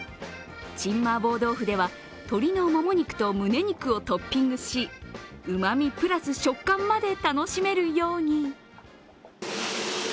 陳麻婆豆腐では鶏のもも肉とむね肉をトッピングしうまみプラス食感まで楽しめるように。